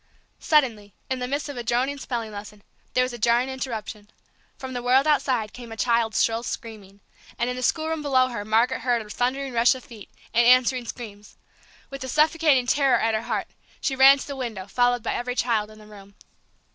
Suddenly, in the midst of a droning spelling lesson, there was a jarring interruption. From the world outside came a child's shrill screaming, which was instantly drowned in a chorus of frightened voices, and in the schoolroom below her own Margaret heard a thundering rush of feet, and answering screams. With a suffocating terror at her heart she ran to the window, followed by every child in the room.